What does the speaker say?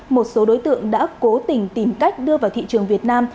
một số đối tượng đã cố tình tìm cách đưa vào thị trường việt nam